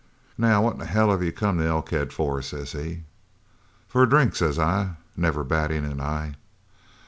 "'Now what in hell have you come to Elkhead for?' says he. "'For a drink' says I, never battin' an eye.